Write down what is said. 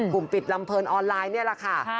ปิดลำเพลินออนไลน์นี่แหละค่ะ